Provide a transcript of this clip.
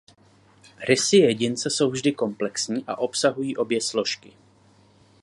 Rysy jedince jsou vždy komplexní a obsahují obě složky.